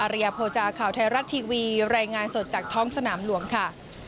ริยโภจาข่าวไทยรัฐทีวีรายงานสดจากท้องสนามหลวงค่ะ